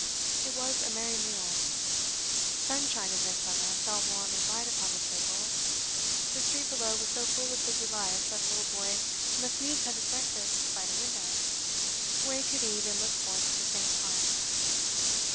It was a merry meal. Sunshine of midsummer fell warm and bright upon the table; the street below was so full of busy life that the little boy must needs have his breakfast by the window, where he could eat and look forth at the same time.